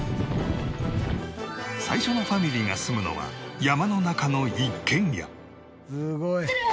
最初のファミリーが住むのは山の中の一軒家。